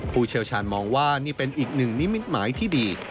ผู้เชี่ยวชาญมองว่านี่เป็นอีกหนึ่งนิมิตหมายที่ดี